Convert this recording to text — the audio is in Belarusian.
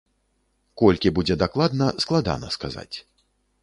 Колькі будзе дакладна, складана сказаць.